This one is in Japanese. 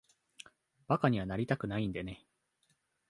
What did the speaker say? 馬鹿にはなりたくないんでね。